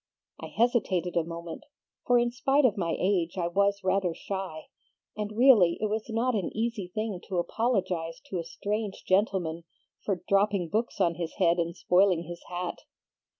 I hesitated a moment, for in spite of my age I was rather shy, and really it was not an easy thing to apologize to a strange gentle man for dropping books on his head and spoiling his hat.